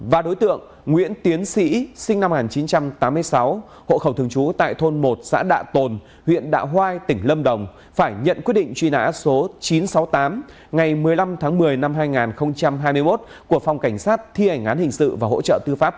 và đối tượng nguyễn tiến sĩ sinh năm một nghìn chín trăm tám mươi sáu hộ khẩu thường trú tại thôn một xã đạ tồn huyện đạ hoai tỉnh lâm đồng phải nhận quyết định truy nã số chín trăm sáu mươi tám ngày một mươi năm tháng một mươi năm hai nghìn một mươi sáu